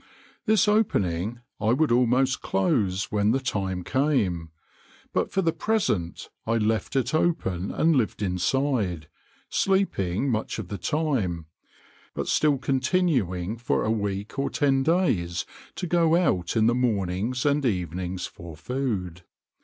This opening I would almost close when the time came, but for the present I left it open and lived inside, sleeping much of the time, but still continuing for a week or ten days to go out in the mornings and evenings for food.